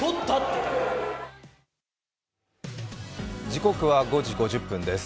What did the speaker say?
時刻は５時５０分です。